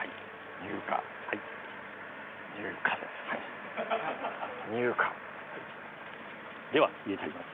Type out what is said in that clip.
乳化はい乳化乳化では入れていきます